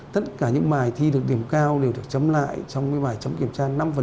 tất cả những bài thi được điểm cao đều được chấm lại trong bài chấm kiểm tra năm